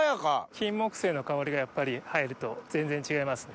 金木犀の香りがやっぱり入ると全然違いますね